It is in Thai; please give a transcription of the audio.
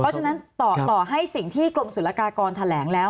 เพราะฉะนั้นต่อให้สิ่งที่กรมศุลกากรแถลงแล้ว